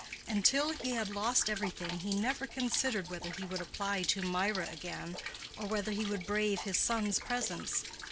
Until he had lost everything he never considered whether he would apply to Mirah again or whether he would brave his son's presence.